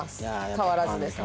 変わらずですね。